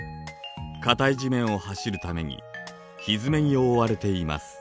固い地面を走るためにひづめに覆われています。